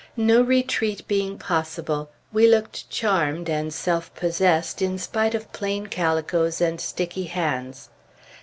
No retreat being possible, we looked charmed and self possessed in spite of plain calicoes and sticky hands....